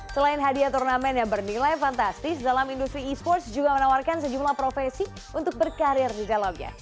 selain hadiah turnamen yang bernilai fantastis dalam industri e sports juga menawarkan sejumlah profesi untuk berkarir di dalamnya